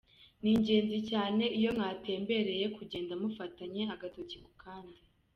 Ni ingenzi cyane iyo mwatembereye kugenda mufatanye agatoki ku kandi.